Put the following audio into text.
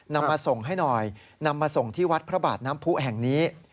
นำมาส่งให้หน่อยนำมาส่งที่วัดพระบาทน้ำผู้แห่งนี้